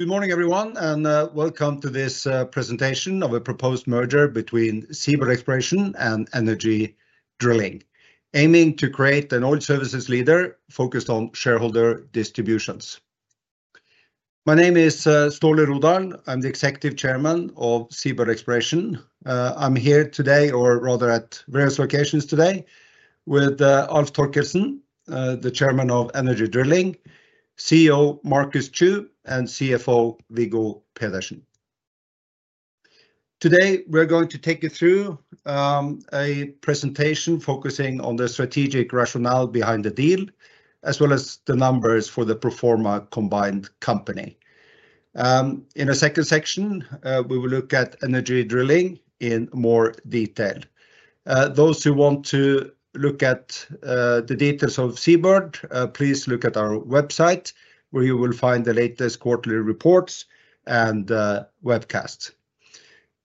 Good morning, everyone, and welcome to this presentation of a proposed merger between SeaBird Exploration and Energy Drilling, aiming to create an oil services leader focused on shareholder distributions. My name is Ståle Rodahl. I'm the Executive Chairman of SeaBird Exploration. I'm here today, or rather at various locations today, with Alf Thorkildsen, the Chairman of Energy Drilling, CEO Marcus Chew, and CFO Viggo Pedersen. Today, we're going to take you through a presentation focusing on the strategic rationale behind the deal, as well as the numbers for the Proforma Combined Company. In a second section, we will look at Energy Drilling in more detail. Those who want to look at the details of SeaBird, please look at our website, where you will find the latest quarterly reports and webcasts.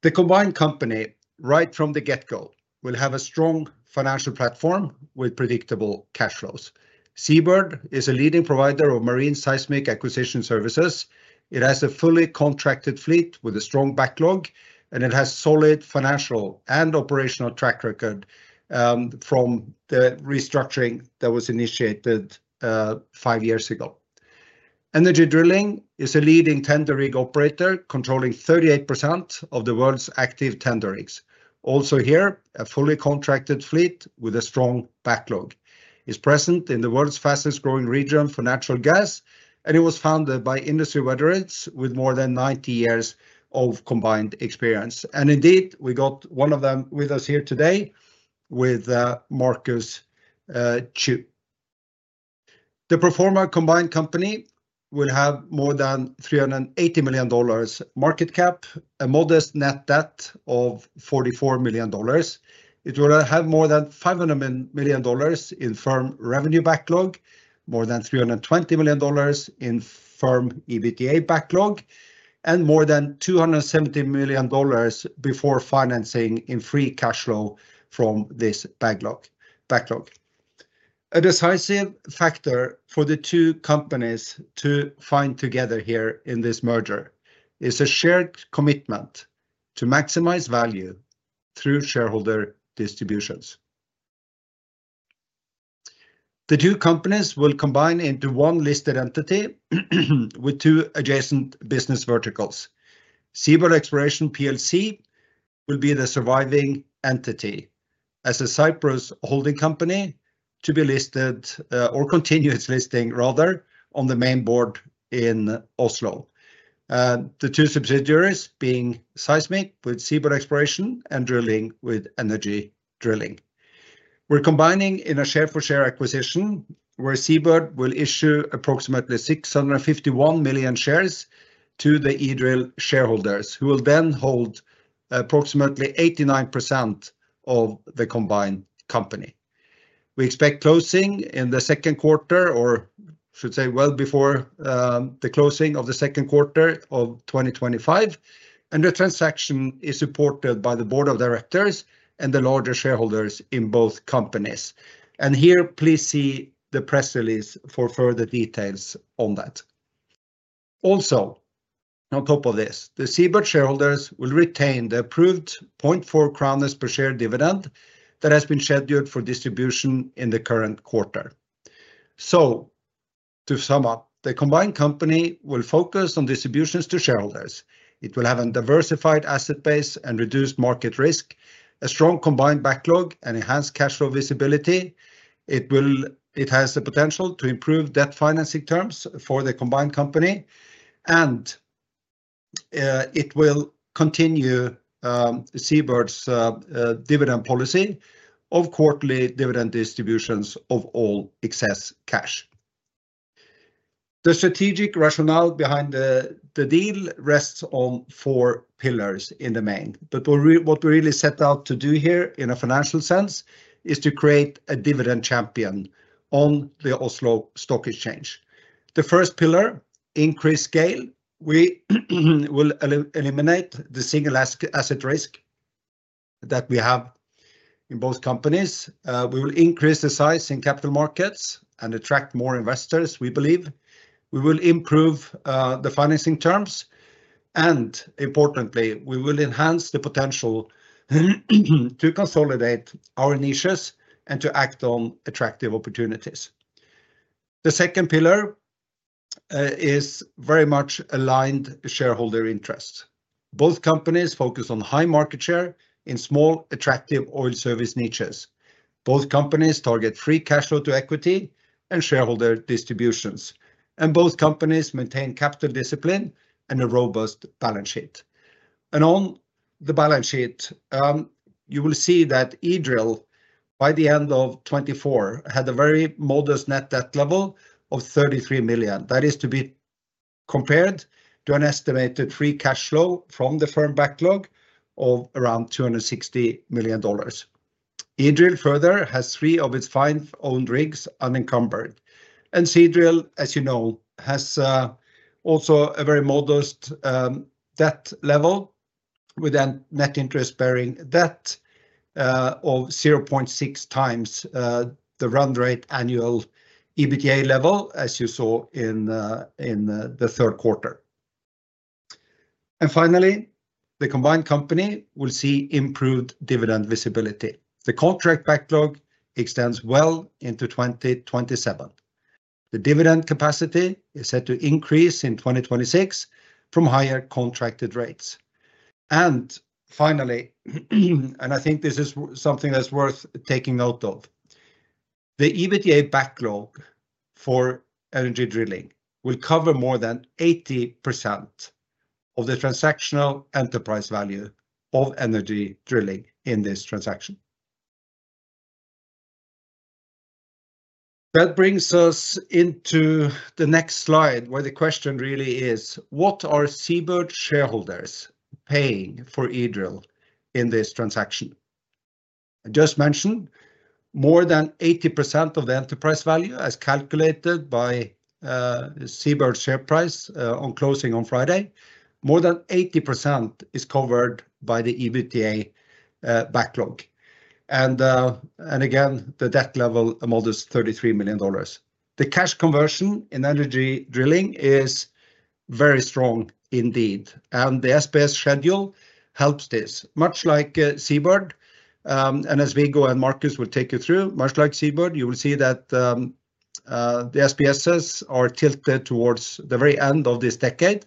The Combined Company, right from the get-go, will have a strong financial platform with predictable cash flows. SeaBird is a leading provider of marine seismic acquisition services. It has a fully contracted fleet with a strong backlog, and it has a solid financial and operational track record from the restructuring that was initiated five years ago. Energy Drilling is a leading tender rig operator, controlling 38% of the world's active tender rigs. Also here, a fully contracted fleet with a strong backlog. It's present in the world's fastest-growing region for natural gas, and it was founded by industry veterans with more than 90 years of combined experience. Indeed, we got one of them with us here today with Marcus Chew. The Proforma Combined Company will have more than $380 million market cap, a modest net debt of $44 million. It will have more than $500 million in firm revenue backlog, more than $320 million in firm EBITDA backlog, and more than $270 million before financing in free cash flow from this backlog. A decisive factor for the two companies to find together here in this merger is a shared commitment to maximize value through shareholder distributions. The two companies will combine into one listed entity with two adjacent business verticals. SeaBird Exploration PLC will be the surviving entity as a Cyprus holding company to be listed, or continues listing, rather, on the main board in Oslo. The two subsidiaries being Seismic with SeaBird Exploration and Drilling with Energy Drilling. We're combining in a share-for-share acquisition where SeaBird will issue approximately 651 million shares to the eDrill shareholders, who will then hold approximately 89% of the Combined Company. We expect closing in the second quarter, or should say well before the closing of the second quarter of 2025, and the transaction is supported by the board of directors and the larger shareholders in both companies, and here, please see the press release for further details on that. Also, on top of this, the SeaBird shareholders will retain the approved 0.4 crowns per share dividend that has been scheduled for distribution in the current quarter, so to sum up, the Combined Company will focus on distributions to shareholders. It will have a diversified asset base and reduced market risk, a strong combined backlog, and enhanced cash flow visibility. It has the potential to improve debt financing terms for the Combined Company, and it will continue SeaBird's dividend policy of quarterly dividend distributions of all excess cash. The strategic rationale behind the deal rests on four pillars in the main. But what we really set out to do here in a financial sense is to create a dividend champion on the Oslo Stock Exchange. The first pillar, increased scale. We will eliminate the single asset risk that we have in both companies. We will increase the size in capital markets and attract more investors, we believe. We will improve the financing terms. And importantly, we will enhance the potential to consolidate our niches and to act on attractive opportunities. The second pillar is very much aligned shareholder interests. Both companies focus on high market share in small, attractive oil service niches. Both companies target free cash flow to equity and shareholder distributions. And both companies maintain capital discipline and a robust balance sheet. And on the balance sheet, you will see that eDrill, by the end of 2024, had a very modest net debt level of $33 million. That is to be compared to an estimated free cash flow from the firm backlog of around $260 million. eDrill further has three of its five owned rigs unencumbered. And Seadrill, as you know, has also a very modest debt level with net interest-bearing debt of 0.6 times the run rate annual EBITDA level, as you saw in the third quarter. And finally, the Combined Company will see improved dividend visibility. The contract backlog extends well into 2027. The dividend capacity is set to increase in 2026 from higher contracted rates. And finally, and I think this is something that's worth taking note of, the EBITDA backlog for Energy Drilling will cover more than 80% of the transactional enterprise value of Energy Drilling in this transaction. That brings us into the next slide, where the question really is, what are SeaBird shareholders paying for eDrill in this transaction? I just mentioned more than 80% of the enterprise value as calculated by SeaBird's share price on closing on Friday. More than 80% is covered by the EBITDA backlog. Again, the debt level amounts to $33 million. The cash conversion in Energy Drilling is very strong indeed. The SPS schedule helps this, much like SeaBird. As Viggo and Marcus will take you through, much like SeaBird, you will see that the SPSs are tilted towards the very end of this decade.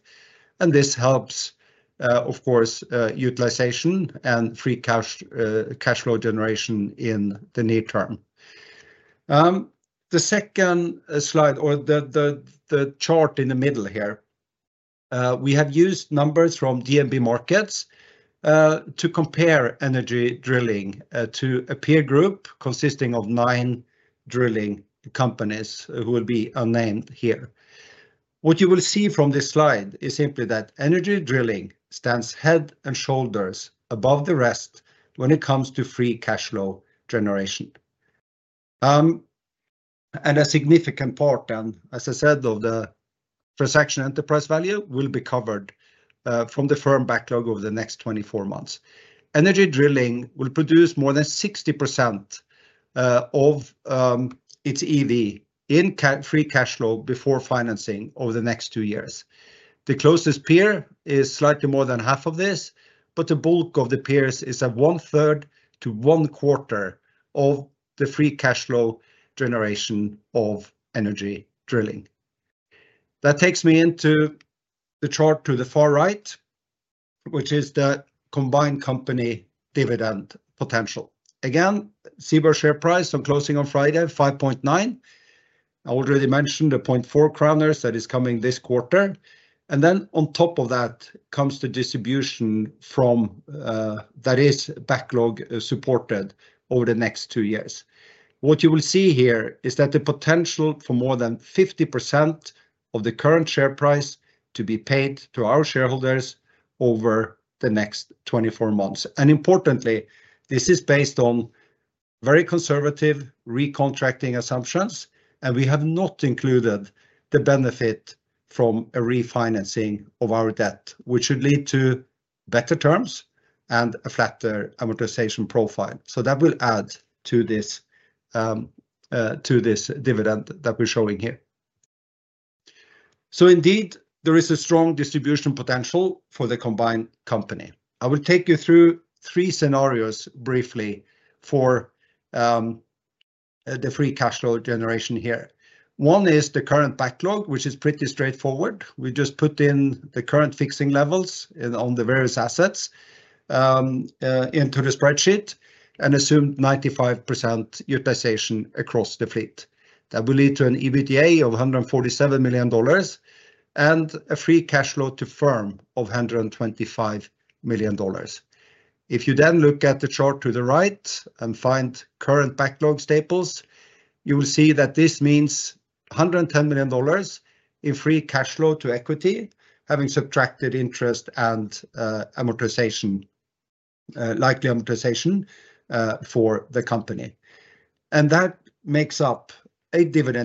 This helps, of course, utilization and free cash flow generation in the near term. The second slide, or the chart in the middle here, we have used numbers from DNB Markets to compare Energy Drilling to a peer group consisting of nine drilling companies who will be unnamed here. What you will see from this slide is simply that Energy Drilling stands head and shoulders above the rest when it comes to free cash flow generation. And a significant part, as I said, of the transaction enterprise value will be covered from the firm backlog over the next 24 months. Energy Drilling will produce more than 60% of its EV in free cash flow before financing over the next two years. The closest peer is slightly more than half of this, but the bulk of the peers is one-third to one-quarter of the free cash flow generation of Energy Drilling. That takes me into the chart to the far right, which is the Combined Company dividend potential. Again, SeaBird share price on closing on Friday, 5.9. I already mentioned the 0.4 that is coming this quarter. And then, on top of that, comes the distribution from that is backlog supported over the next two years. What you will see here is that the potential for more than 50% of the current share price to be paid to our shareholders over the next 24 months. And importantly, this is based on very conservative recontracting assumptions, and we have not included the benefit from a refinancing of our debt, which should lead to better terms and a flatter amortization profile. So that will add to this dividend that we're showing here. So indeed, there is a strong distribution potential for the Combined Company. I will take you through three scenarios briefly for the free cash flow generation here. One is the current backlog, which is pretty straightforward. We just put in the current fixing levels on the various assets into the spreadsheet and assumed 95% utilization across the fleet. That will lead to an EBITDA of $147 million and a free cash flow to firm of $125 million. If you then look at the chart to the right and find current backlog status, you will see that this means $110 million in free cash flow to equity, having subtracted interest and likely amortization for the company, and that makes up an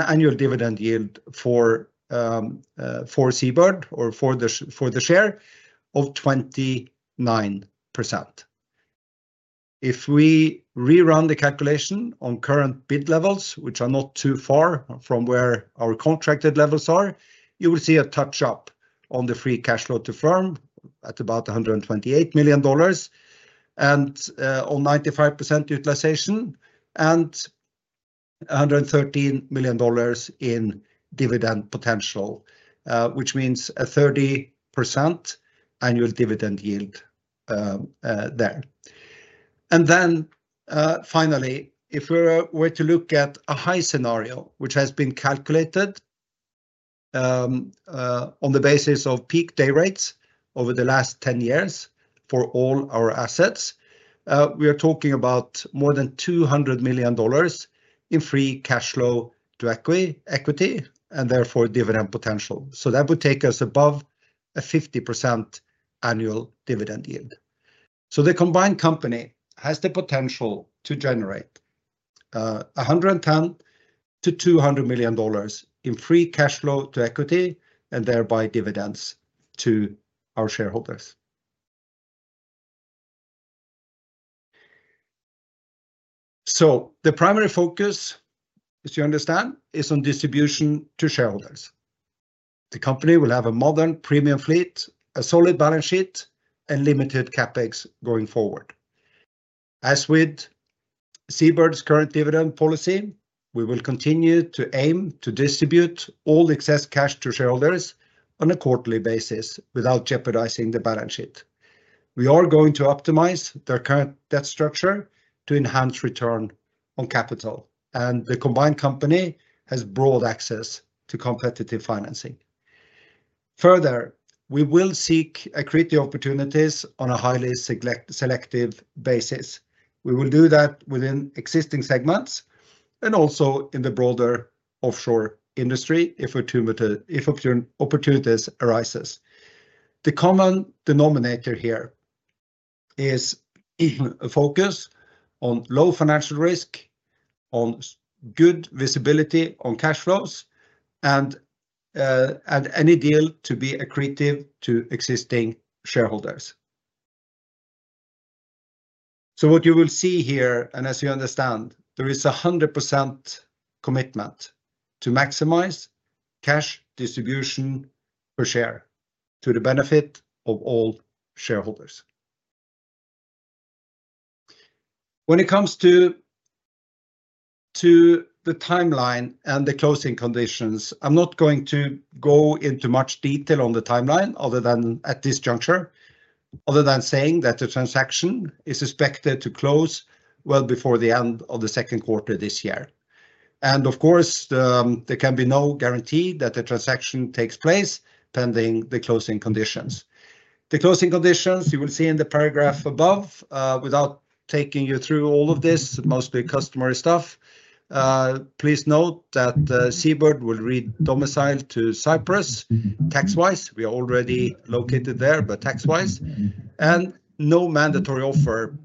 annual dividend yield for SeaBird or for the share of 29%. If we rerun the calculation on current bid levels, which are not too far from where our contracted levels are, you will see a touch-up on the free cash flow to firm at about $128 million and on 95% utilization and $113 million in dividend potential, which means a 30% annual dividend yield there. And then finally, if we were to look at a high scenario, which has been calculated on the basis of peak day rates over the last 10 years for all our assets, we are talking about more than $200 million in free cash flow to equity and therefore dividend potential. So that would take us above a 50% annual dividend yield. So the Combined Company has the potential to generate $110-$200 million in free cash flow to equity and thereby dividends to our shareholders. So the primary focus, as you understand, is on distribution to shareholders. The company will have a modern premium fleet, a solid balance sheet, and limited capex going forward. As with SeaBird's current dividend policy, we will continue to aim to distribute all excess cash to shareholders on a quarterly basis without jeopardizing the balance sheet. We are going to optimize their current debt structure to enhance return on capital. And the Combined Company has broad access to competitive financing. Further, we will seek equity opportunities on a highly selective basis. We will do that within existing segments and also in the broader offshore industry if opportunities arise. The common denominator here is a focus on low financial risk, on good visibility on cash flows, and any deal to be accretive to existing shareholders. So what you will see here, and as you understand, there is a 100% commitment to maximize cash distribution per share to the benefit of all shareholders. When it comes to the timeline and the closing conditions, I'm not going to go into much detail on the timeline other than at this juncture, other than saying that the transaction is expected to close well before the end of the second quarter this year. And of course, there can be no guarantee that the transaction takes place pending the closing conditions. The closing conditions, you will see in the paragraph above, without taking you through all of this, mostly customary stuff. Please note that SeaBird will re-domicile to Cyprus tax-wise. We are already located there, but tax-wise. And no mandatory offer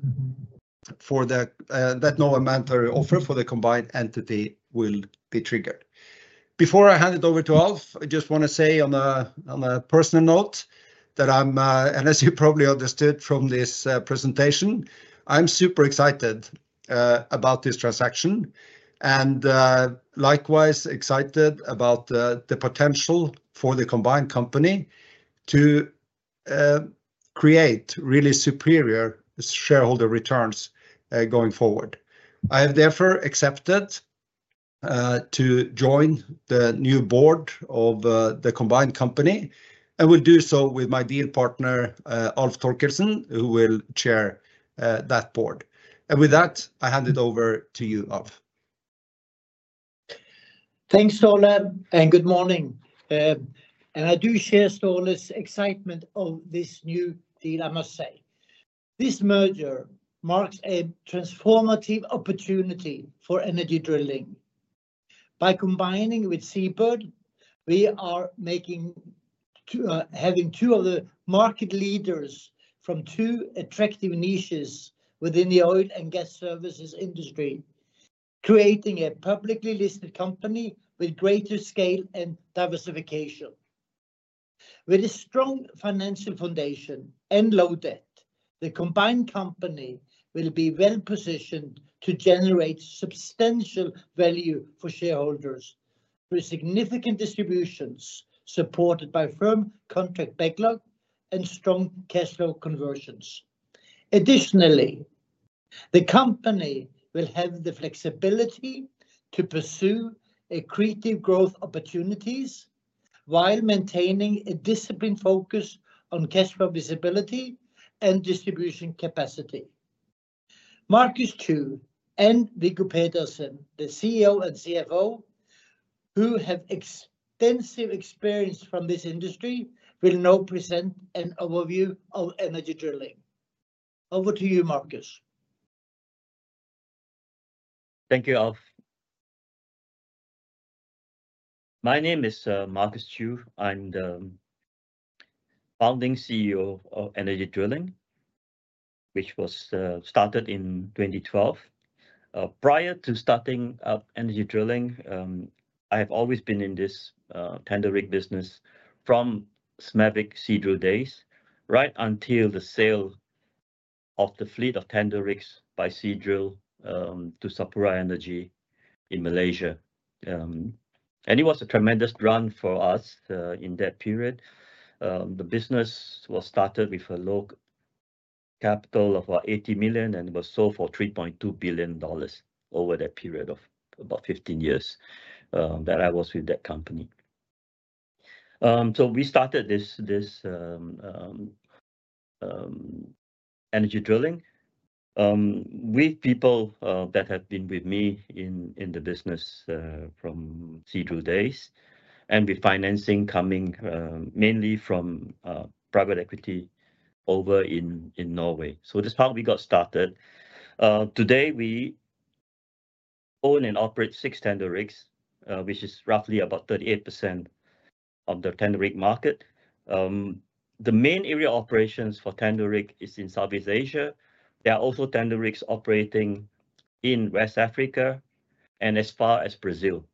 for that. No mandatory offer for the Combined entity will be triggered. Before I hand it over to Alf, I just want to say on a personal note that I'm, and as you probably understood from this presentation, I'm super excited about this transaction and likewise excited about the potential for the Combined Company to create really superior shareholder returns going forward. I have therefore accepted to join the new board of the Combined Company and will do so with my deal partner, Alf Thorkildsen, who will chair that board. And with that, I hand it over to you, Alf. Thanks, Ståle, and good morning. And I do share Ståle's excitement of this new deal, I must say. This merger marks a transformative opportunity for Energy Drilling. By combining with SeaBird, we are having two of the market leaders from two attractive niches within the oil and gas services industry, creating a publicly listed company with greater scale and diversification. With a strong financial foundation and low debt, the Combined Company will be well positioned to generate substantial value for shareholders through significant distributions supported by firm contract backlog and strong cash flow conversions. Additionally, the company will have the flexibility to pursue accretive growth opportunities while maintaining a disciplined focus on cash flow visibility and distribution capacity. Marcus Chew and Viggo Pedersen, the CEO and CFO, who have extensive experience from this industry, will now present an overview of Energy Drilling. Over to you, Marcus. Thank you, Alf. My name is Marcus Chew. I'm the founding CEO of Energy Drilling, which was started in 2012. Prior to starting up Energy Drilling, I have always been in this tender rig business from Seadrill days right until the sale of the fleet of tender rigs by Seadrill to Sapura Energy in Malaysia. It was a tremendous run for us in that period. The business was started with a low capital of about $80 million and was sold for $3.2 billion over that period of about 15 years that I was with that company. We started this Energy Drilling with people that have been with me in the business from Seadrill days and with financing coming mainly from private equity over in Norway. That's how we got started. Today, we own and operate six tender rigs, which is roughly about 38% of the tender rig market. The main area of operations for tender rig is in Southeast Asia. There are also tender rigs operating in West Africa and as far as Brazil.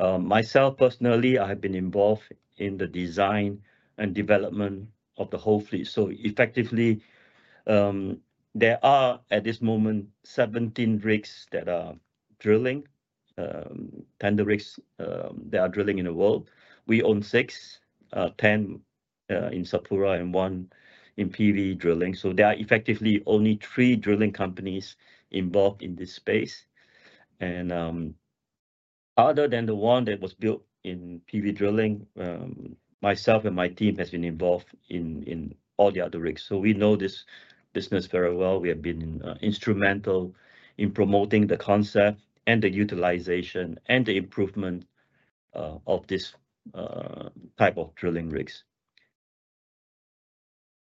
Myself personally, I have been involved in the design and development of the whole fleet. So effectively, there are at this moment 17 rigs that are drilling, tender rigs that are drilling in the world. We own six, 10 in Sapura and one in PV Drilling. So there are effectively only three drilling companies involved in this space. And other than the one that was built in PV Drilling, myself and my team have been involved in all the other rigs. So we know this business very well. We have been instrumental in promoting the concept and the utilization and the improvement of this type of drilling rigs.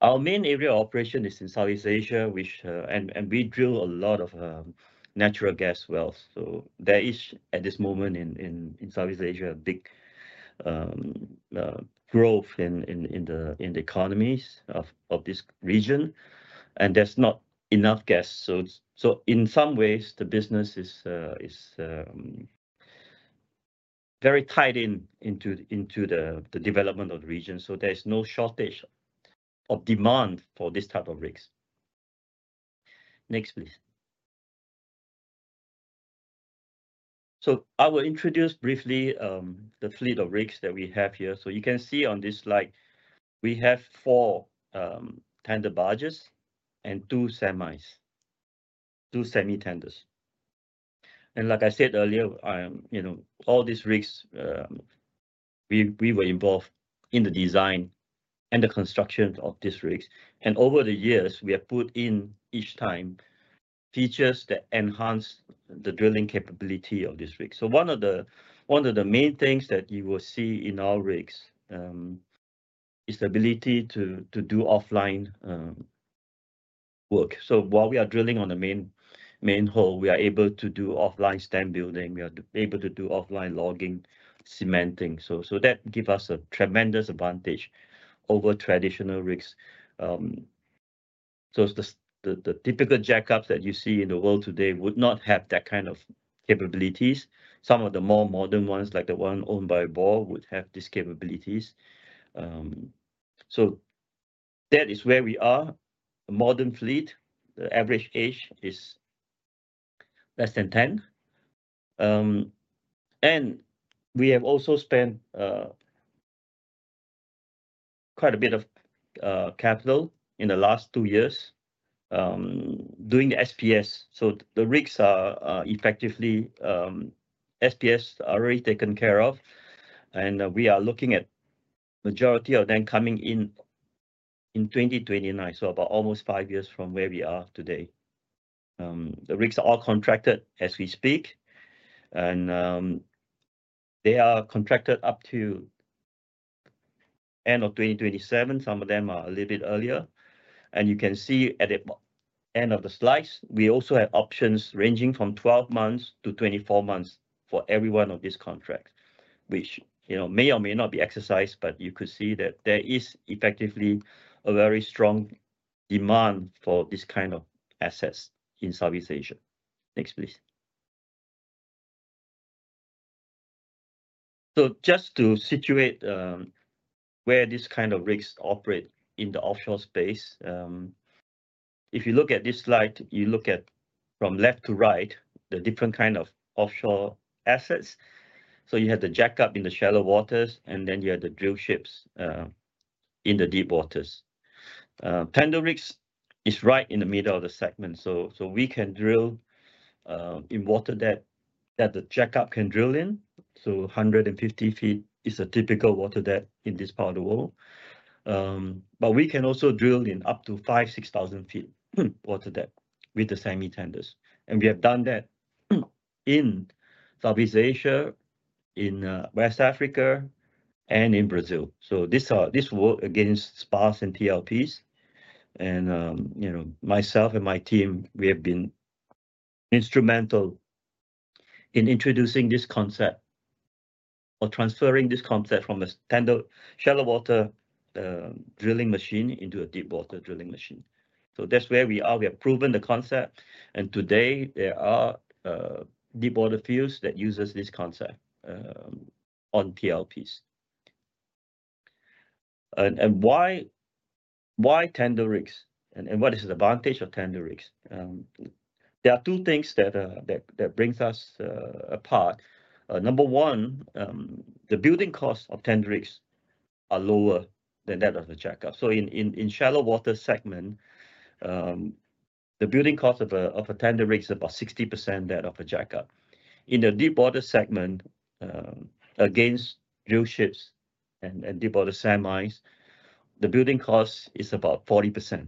Our main area of operation is in Southeast Asia, and we drill a lot of natural gas wells. So there is, at this moment in Southeast Asia, a big growth in the economies of this region, and there's not enough gas. So in some ways, the business is very tied into the development of the region. So there's no shortage of demand for this type of rigs. Next, please. So I will introduce briefly the fleet of rigs that we have here. So you can see on this slide, we have four tender barges and two semitenders. And like I said earlier, all these rigs, we were involved in the design and the construction of these rigs. And over the years, we have put in each time features that enhance the drilling capability of these rigs. So one of the main things that you will see in our rigs is the ability to do offline work. So while we are drilling on the main hole, we are able to do offline stand building. We are able to do offline logging, cementing. So that gives us a tremendous advantage over traditional rigs. The typical jackups that you see in the world today would not have that kind of capabilities. Some of the more modern ones, like the one owned by Borr, would have these capabilities. That is where we are, a modern fleet. The average age is less than 10. We have also spent quite a bit of capital in the last two years doing the SPS. The rigs are effectively SPS already taken care of, and we are looking at the majority of them coming in in 2029, so about almost five years from where we are today. The rigs are all contracted as we speak, and they are contracted up to the end of 2027. Some of them are a little bit earlier. You can see at the end of the slides, we also have options ranging from 12 months to 24 months for every one of these contracts, which may or may not be exercised, but you could see that there is effectively a very strong demand for this kind of assets in Southeast Asia. Next, please. Just to situate where these kind of rigs operate in the offshore space, if you look at this slide, you look at from left to right, the different kind of offshore assets. You have the jackup in the shallow waters, and then you have the drill ships in the deep waters. Tender rigs is right in the middle of the segment. We can drill in water that the jackup can drill in. 150 feet is a typical water depth in this part of the world. But we can also drill in up to 5,000, 6,000 feet water depth with the semitenders. And we have done that in Southeast Asia, in West Africa, and in Brazil. So this works on spars and TLPs. And myself and my team, we have been instrumental in introducing this concept or transferring this concept from a shallow water drilling machine into a deep water drilling machine. So that's where we are. We have proven the concept. And today, there are deepwater floaters that use this concept on TLPs. And why tender rigs? And what is the advantage of tender rigs? There are two things that set us apart. Number one, the building costs of tender rigs are lower than that of a jackup. So in the shallow water segment, the building cost of a tender rig is about 60% that of a jackup. In the deep water segment, against drill ships and deep water semis, the building cost is about 40%,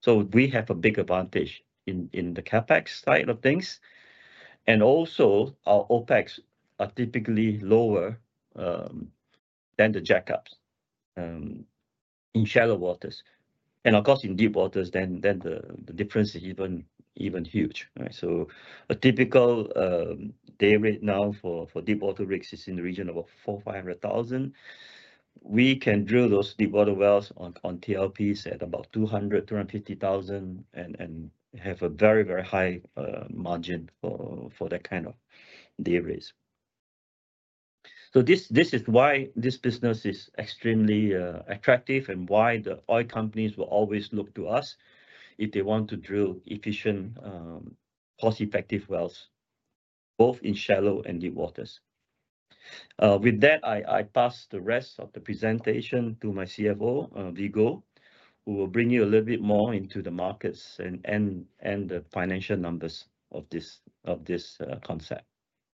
so we have a big advantage in the CapEx side of things, and also, our OPEX are typically lower than the jackups in shallow waters, and of course, in deep waters, then the difference is even huge, so a typical day rate now for deep water rigs is in the region of about $400,000-$500,000. We can drill those deep water wells on TLPs at about $200,000-$250,000, and have a very, very high margin for that kind of day rates, so this is why this business is extremely attractive and why the oil companies will always look to us if they want to drill efficient, cost-effective wells, both in shallow and deep waters. With that, I pass the rest of the presentation to my CFO, Viggo, who will bring you a little bit more into the markets and the financial numbers of this concept.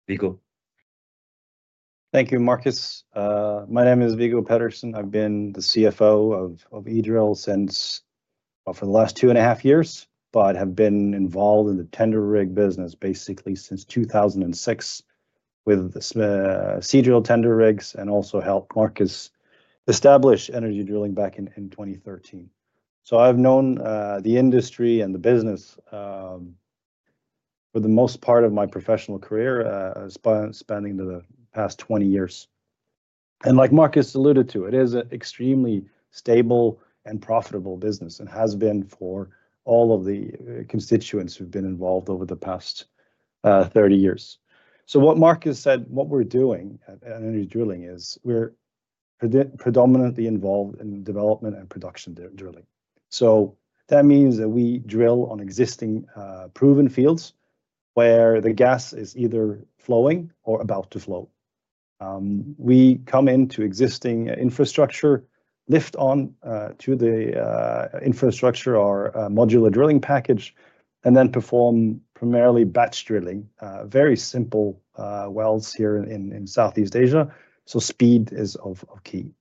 Viggo. Thank you, Marcus. My name is Viggo Pedersen. I've been the CFO of eDrill since the last two and a half years, but have been involved in the tender rig business basically since 2006 with the Seadrill tender rigs and also helped Marcus establish Energy Drilling back in 2013. So I've known the industry and the business for the most part of my professional career spanning the past 20 years, and like Marcus alluded to, it is an extremely stable and profitable business and has been for all of the constituents who've been involved over the past 30 years. What Marcus said, what we're doing at Energy Drilling is we're predominantly involved in development and production drilling. That means that we drill on existing proven fields where the gas is either flowing or about to flow. We come into existing infrastructure, lift on to the infrastructure or modular drilling package, and then perform primarily batch drilling, very simple wells here in Southeast Asia. Speed is key.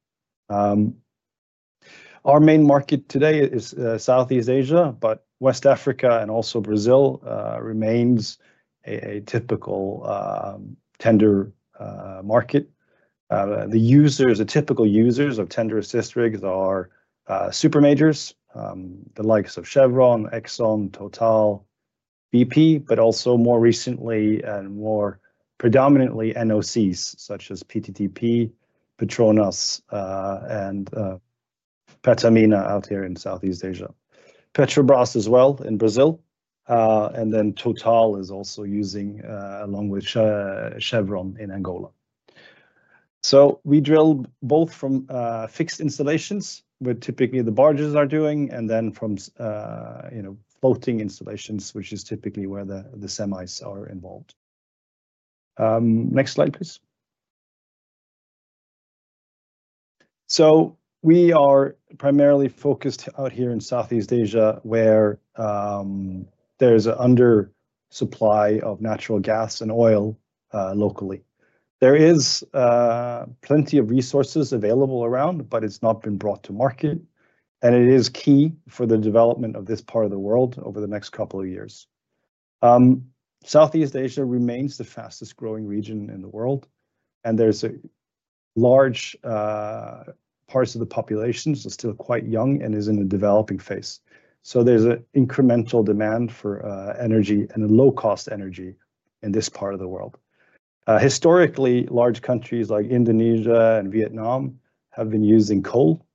Our main market today is Southeast Asia, but West Africa and also Brazil remains a typical tender market. The users, the typical users of tender assist rigs are super majors, the likes of Chevron, Exxon, Total, BP, but also more recently and more predominantly NOCs such as PTTEP, Petronas, and Pertamina out here in Southeast Asia. Petrobras as well in Brazil. Total is also using, along with Chevron in Angola. We drill both from fixed installations, which typically the barges are doing, and then from floating installations, which is typically where the semis are involved. Next slide, please. We are primarily focused out here in Southeast Asia where there is an undersupply of natural gas and oil locally. There is plenty of resources available around, but it's not been brought to market, and it is key for the development of this part of the world over the next couple of years. Southeast Asia remains the fastest growing region in the world, and there's large parts of the population that are still quite young and are in the developing phase, so there's an incremental demand for energy and a low-cost energy in this part of the world. Historically, large countries like Indonesia and Vietnam have been using coal.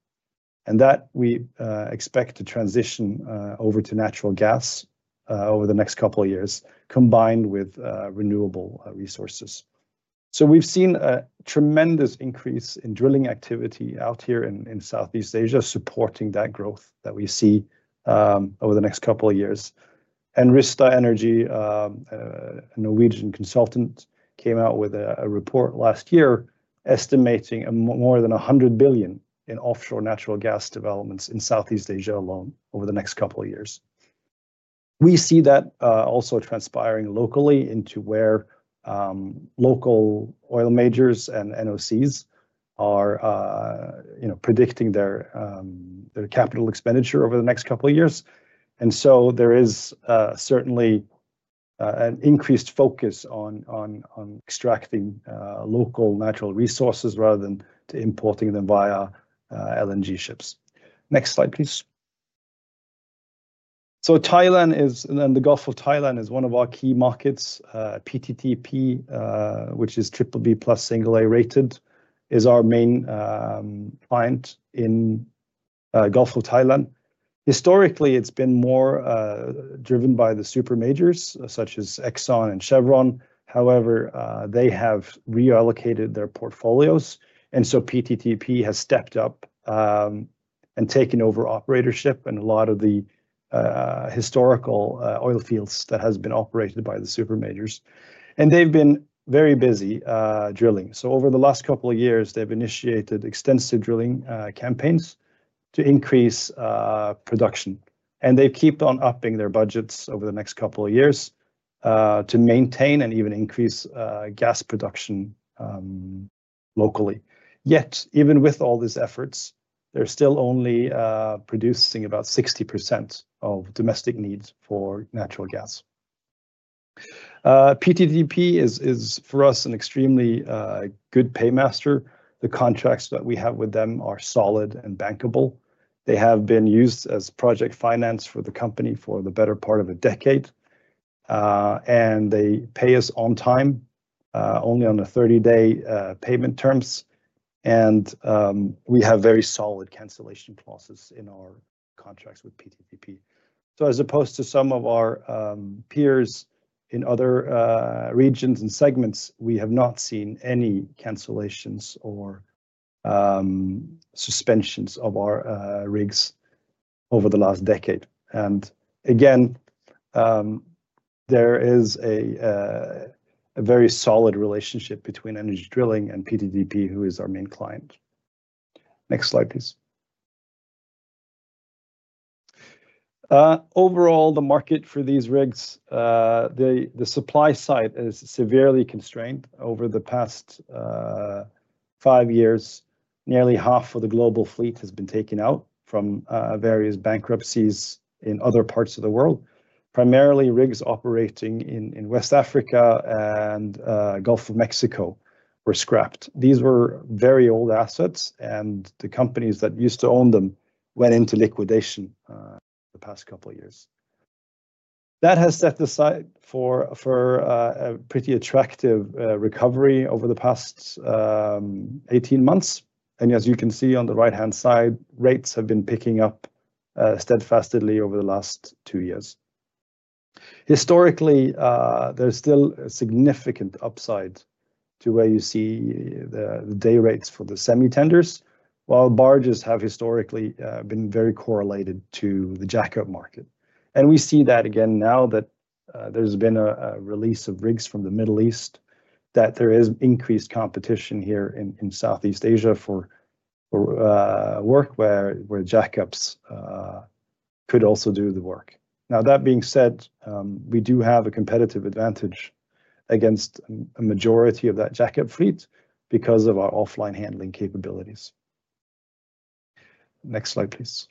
That we expect to transition over to natural gas over the next couple of years, combined with renewable resources. We've seen a tremendous increase in drilling activity out here in Southeast Asia, supporting that growth that we see over the next couple of years. Rystad Energy, a Norwegian consultant, came out with a report last year estimating more than $100 billion in offshore natural gas developments in Southeast Asia alone over the next couple of years. We see that also transpiring locally into where local oil majors and NOCs are predicting their capital expenditure over the next couple of years. There is certainly an increased focus on extracting local natural resources rather than importing them via LNG ships. Next slide, please. Thailand is, and the Gulf of Thailand is one of our key markets. PTTEP, which is Triple B plus single A rated, is our main client in the Gulf of Thailand. Historically, it's been more driven by the super majors such as Exxon and Chevron. However, they have reallocated their portfolios, and so PTTEP has stepped up and taken over operatorship and a lot of the historical oil fields that have been operated by the super majors, and they've been very busy drilling, so over the last couple of years, they've initiated extensive drilling campaigns to increase production, and they've kept on upping their budgets over the next couple of years to maintain and even increase gas production locally. Yet, even with all these efforts, they're still only producing about 60% of domestic needs for natural gas. PTTEP is, for us, an extremely good paymaster. The contracts that we have with them are solid and bankable. They have been used as project finance for the company for the better part of a decade. And they pay us on time, only on a 30-day payment terms. And we have very solid cancellation clauses in our contracts with PTTEP. So as opposed to some of our peers in other regions and segments, we have not seen any cancellations or suspensions of our rigs over the last decade. And again, there is a very solid relationship between Energy Drilling and PTTEP, who is our main client. Next slide, please. Overall, the market for these rigs, the supply side is severely constrained over the past five years. Nearly half of the global fleet has been taken out from various bankruptcies in other parts of the world. Primarily, rigs operating in West Africa and Gulf of Mexico were scrapped. These were very old assets, and the companies that used to own them went into liquidation the past couple of years. That has set aside for a pretty attractive recovery over the past 18 months. And as you can see on the right-hand side, rates have been picking up steadfastly over the last two years. Historically, there's still a significant upside to where you see the day rates for the semitenders, while barges have historically been very correlated to the jackup market. And we see that again now that there's been a release of rigs from the Middle East, that there is increased competition here in Southeast Asia for work where jackups could also do the work. Now, that being said, we do have a competitive advantage against a majority of that jackup fleet because of our offline handling capabilities. Next slide, please.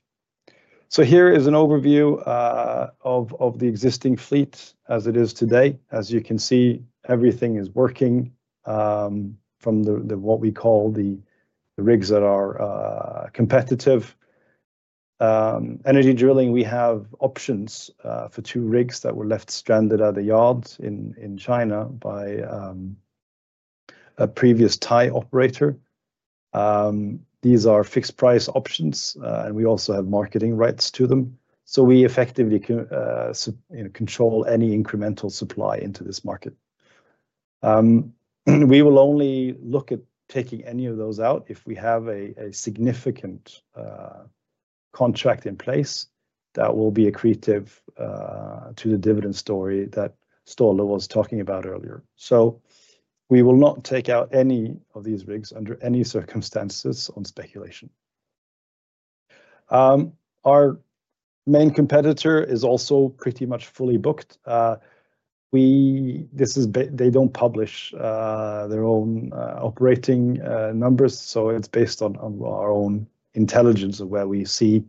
So here is an overview of the existing fleet as it is today. As you can see, everything is working from what we call the rigs that are competitive. Energy Drilling, we have options for two rigs that were left stranded at the yard in China by a previous Thai operator. These are fixed-price options, and we also have marketing rights to them. So we effectively control any incremental supply into this market. We will only look at taking any of those out if we have a significant contract in place that will be accretive to the dividend story that Ståle Rodahl was talking about earlier. So we will not take out any of these rigs under any circumstances on speculation. Our main competitor is also pretty much fully booked. They don't publish their own operating numbers, so it's based on our own intelligence of where we see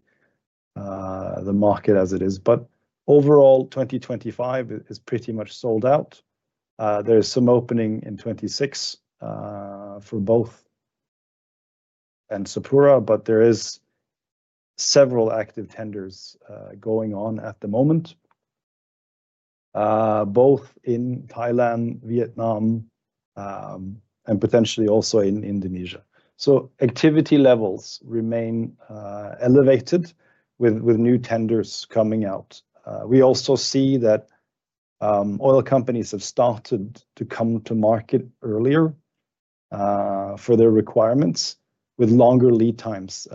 the market as it is. But overall, 2025 is pretty much sold out. There is some opening in 2026 for both and Sapura, but there are several active tenders going on at the moment, both in Thailand, Vietnam, and potentially also in Indonesia. So activity levels remain elevated with new tenders coming out. We also see that oil companies have started to come to market earlier for their requirements with longer lead times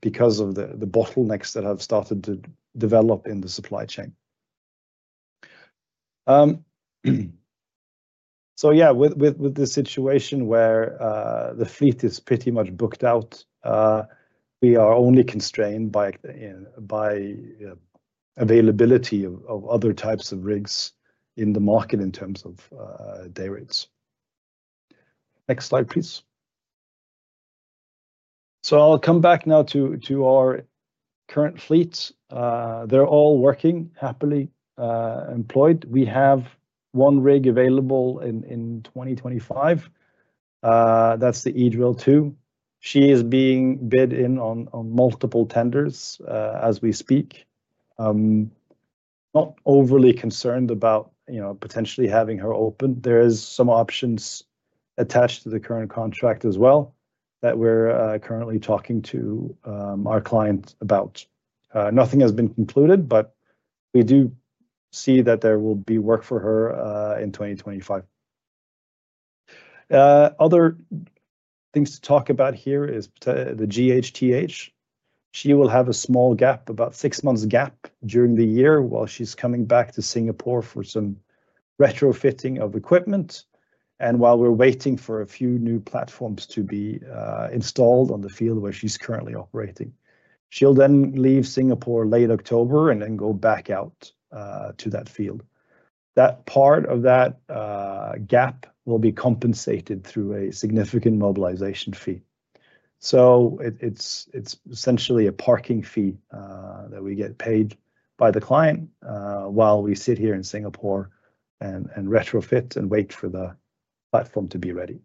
because of the bottlenecks that have started to develop in the supply chain. So yeah, with the situation where the fleet is pretty much booked out, we are only constrained by availability of other types of rigs in the market in terms of day rates. Next slide, please. So I'll come back now to our current fleet. They're all working, happily employed. We have one rig available in 2025. That's the EDrill-2. She is being bid in on multiple tenders as we speak. Not overly concerned about potentially having her open. There are some options attached to the current contract as well that we're currently talking to our client about. Nothing has been concluded, but we do see that there will be work for her in 2025. Other things to talk about here is the GHTH. She will have a small gap, about six months' gap during the year while she's coming back to Singapore for some retrofitting of equipment. And while we're waiting for a few new platforms to be installed on the field where she's currently operating, she'll then leave Singapore late October and then go back out to that field. That part of that gap will be compensated through a significant mobilization fee. It's essentially a parking fee that we get paid by the client while we sit here in Singapore and retrofit and wait for the platform to be ready.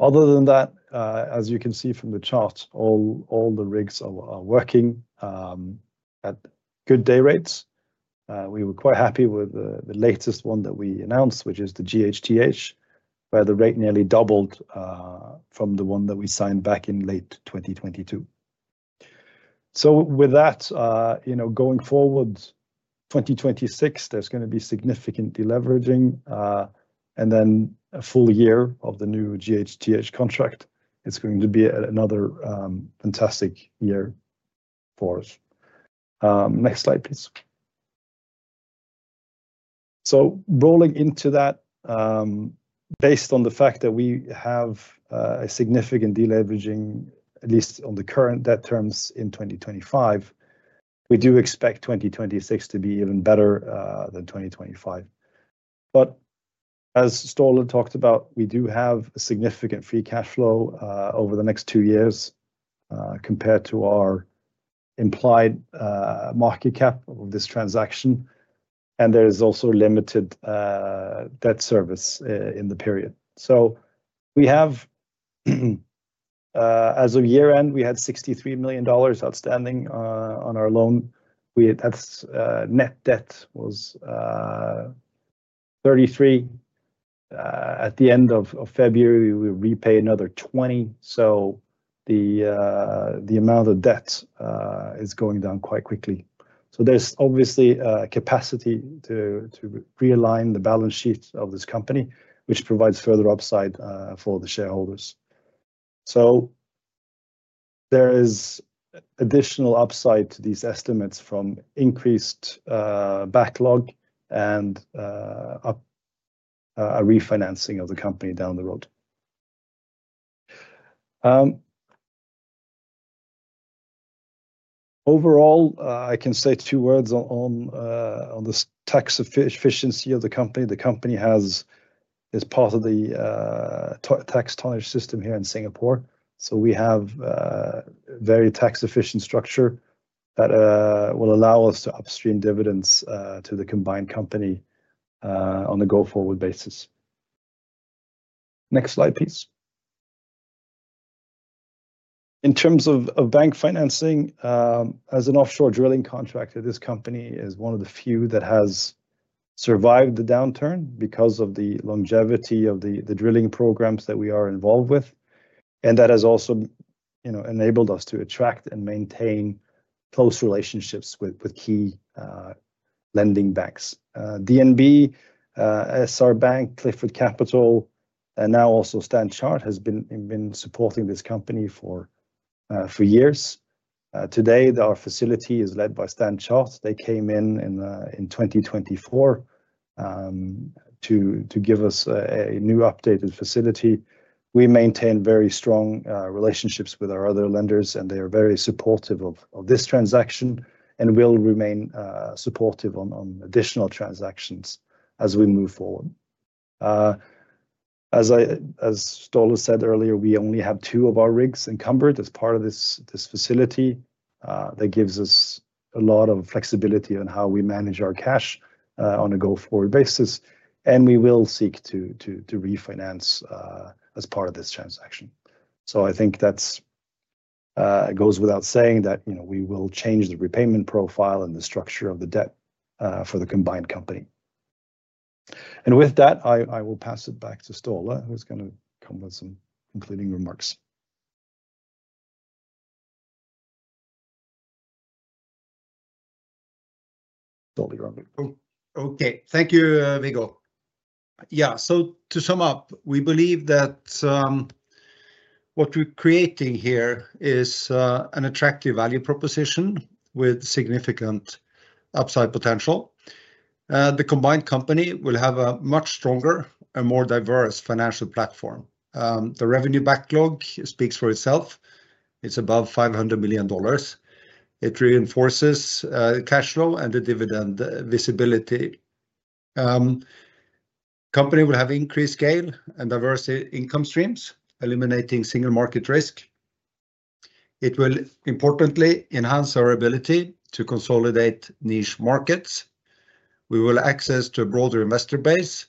Other than that, as you can see from the chart, all the rigs are working at good day rates. We were quite happy with the latest one that we announced, which is the GHTH, where the rate nearly doubled from the one that we signed back in late 2022. With that, going forward, 2026, there's going to be significant deleveraging. Then a full year of the new GHTH contract, it's going to be another fantastic year for us. Next slide, please. Rolling into that, based on the fact that we have a significant deleveraging, at least on the current debt terms in 2025, we do expect 2026 to be even better than 2025. As Ståle Rodahl talked about, we do have a significant free cash flow over the next two years compared to our implied market cap of this transaction. There is also limited debt service in the period. As of year-end, we had $63 million outstanding on our loan. Net debt was $33 million. At the end of February, we repay another $20 million. The amount of debt is going down quite quickly. There's obviously capacity to realign the balance sheet of this company, which provides further upside for the shareholders. There is additional upside to these estimates from increased backlog and refinancing of the company down the road. Overall, I can say two words on the tax efficiency of the company. The company is part of the tax tonnage system here in Singapore. We have a very tax-efficient structure that will allow us to upstream dividends to the combined company on a go-forward basis. Next slide, please. In terms of bank financing, as an offshore drilling contractor, this company is one of the few that has survived the downturn because of the longevity of the drilling programs that we are involved with. That has also enabled us to attract and maintain close relationships with key lending banks. DNB, SR Bank, Clifford Capital, and now also Stan Chart has been supporting this company for years. Today, our facility is led by Stan Chart. They came in 2024 to give us a new updated facility. We maintain very strong relationships with our other lenders, and they are very supportive of this transaction and will remain supportive on additional transactions as we move forward. As Ståle Rodahl said earlier, we only have two of our rigs encumbered as part of this facility. That gives us a lot of flexibility on how we manage our cash on a go-forward basis. And we will seek to refinance as part of this transaction. So I think that goes without saying that we will change the repayment profile and the structure of the debt for the combined company. And with that, I will pass it back to Ståle Rodahl, who's going to come with some concluding remarks. Okay. Thank you, Viggo. Yeah. So to sum up, we believe that what we're creating here is an attractive value proposition with significant upside potential. The combined company will have a much stronger and more diverse financial platform. The revenue backlog speaks for itself. It's above $500 million. It reinforces cash flow and the dividend visibility. The company will have increased scale and diverse income streams, eliminating single market risk. It will importantly enhance our ability to consolidate niche markets. We will access to a broader investor base,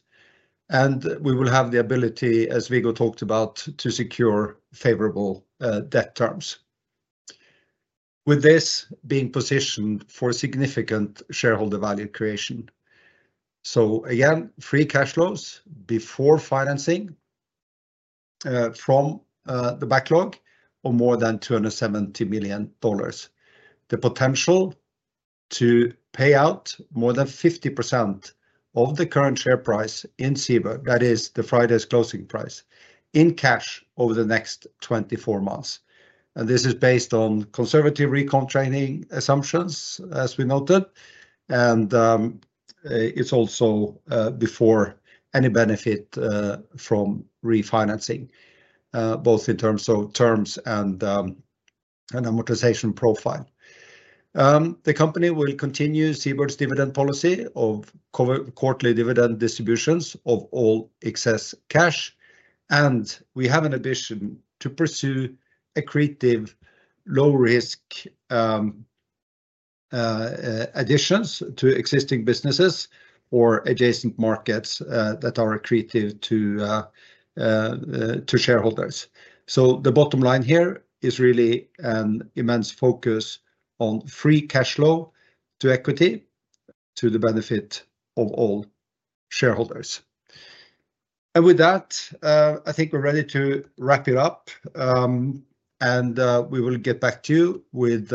and we will have the ability, as Viggo talked about, to secure favorable debt terms, with this being positioned for significant shareholder value creation. Free cash flows before financing from the backlog of more than $270 million. The potential to pay out more than 50% of the current share price in SeaBird, that is, Friday's closing price, in cash over the next 24 months. This is based on conservative recontracting assumptions, as we noted. It's also before any benefit from refinancing, both in terms of terms and amortization profile. The company will continue SeaBird's dividend policy of quarterly dividend distributions of all excess cash. And we have an ambition to pursue accretive low-risk additions to existing businesses or adjacent markets that are accretive to shareholders. So the bottom line here is really an immense focus on free cash flow to equity to the benefit of all shareholders. And with that, I think we're ready to wrap it up. And we will get back to you with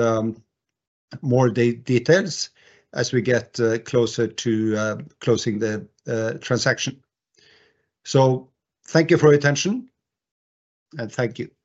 more details as we get closer to closing the transaction. So thank you for your attention. And thank you.